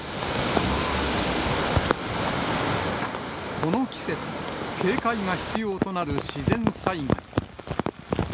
この季節、警戒が必要となる自然災害。